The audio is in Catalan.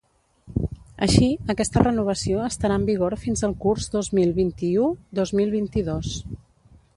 Així, aquesta renovació estarà en vigor fins el curs dos mil vint-i-u-dos mil vint-i-dos.